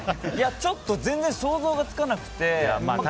ちょっと、全然想像がつかなくて。